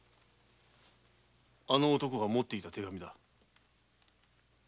あの男が持っていた手紙だ。